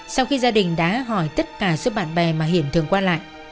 sau khi gia đình đã hỏi tất cả số bạn bè mà hiển thường qua lại